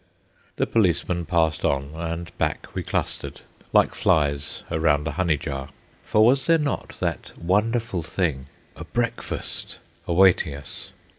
The policeman passed on, and back we clustered, like flies around a honey jar. For was there not that wonderful thing, a breakfast, awaiting us?